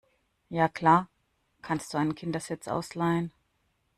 ja klar, kannst du einen Kindersitz ausleihen.